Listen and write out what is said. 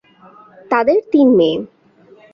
তাদের তিন মেয়ে।